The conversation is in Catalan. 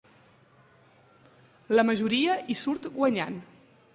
La majoria hi surt guanyant.